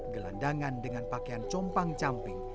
gelandangan dengan pakaian compang camping